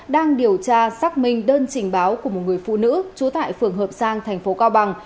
đang điều tra xác minh đơn trình báo của một người phụ nữ trú tại phường hợp giang thành phố cao bằng